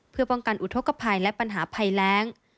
เพื่อปกันอุทกภัยและปัญหาไปแล้ง